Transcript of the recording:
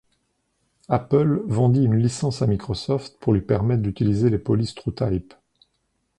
Apple vendit une licence à Microsoft pour lui permettre d'utiliser les polices TrueType.